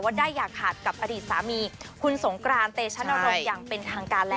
ได้อย่าขาดกับอดีตสามีคุณสงกรานเตชนรงค์อย่างเป็นทางการแล้ว